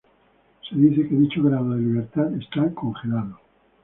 Se dice que dicho grado de libertad está "congelado".